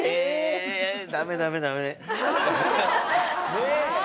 ねえ！